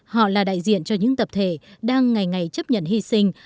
họ là đại diện cho những tập thể đang ngày ngày chấp nhận hy sinh